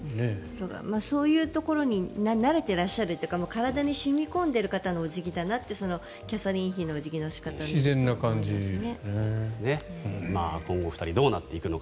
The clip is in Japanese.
そういうところに慣れてらっしゃるというか体に染み込んでいらっしゃる方のお辞儀だなってキャサリン妃のお辞儀の仕方ですね。